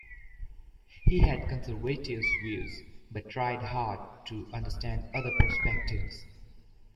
He had conservative views but tried hard to understand other perspectives.